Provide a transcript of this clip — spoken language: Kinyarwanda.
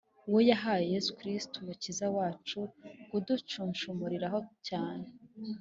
uwo yahaye Yesu Kristo Umukiza wacu kuducunshumuriraho cyane